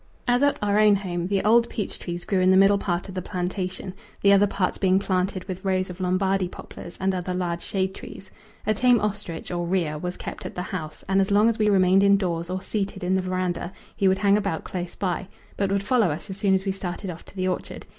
As at our own home the old peach trees grew in the middle part of the plantation, the other parts being planted with rows of Lombardy poplars and other large shade trees. A tame ostrich, or rhea, was kept at the house, and as long as we remained indoors or seated in the verandah he would hang about close by, but would follow us as soon as we started off to the orchard.